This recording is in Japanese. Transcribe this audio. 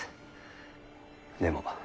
でも